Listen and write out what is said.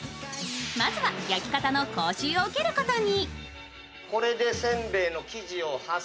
まずは焼き方の講習を受けることに。